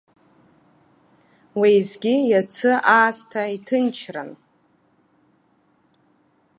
Уеизгьы иацы аасҭа иҭынчран.